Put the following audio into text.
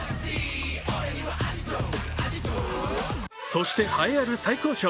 そして栄えある最高賞。